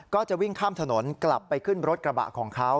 ก็จะวิ่งข้ามถนนกลับไปขึ้นรถกระบะของเขา